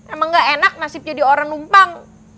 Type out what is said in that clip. emang gak enak nasib jadi orang numpang